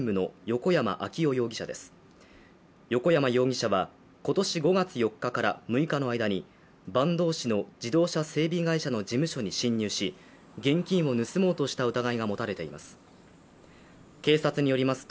横山容疑者は今年５月４日から６日の間に坂東市の自動車整備会社の事務所に侵入し現金を盗もうとした疑いが持たれています。